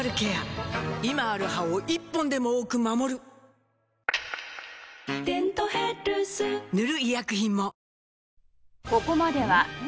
今ある歯を１本でも多く守る「デントヘルス」塗る医薬品も